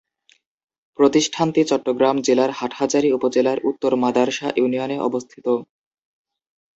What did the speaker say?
প্রতিষ্ঠানটি চট্টগ্রাম জেলার হাটহাজারী উপজেলার উত্তর মাদার্শা ইউনিয়নে অবস্থিত।